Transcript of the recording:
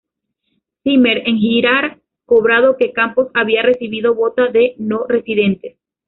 Zimmer En girar cobrado que Campos había recibido vota de no-residentes.